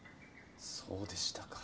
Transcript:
そうでしたか。